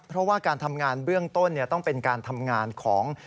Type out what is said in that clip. เพราะว่าการทำงานเบื้องต้นต้องเป็นการทำงานของ